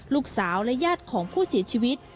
ลูกสาวและญาติของผู้เสียชีวิต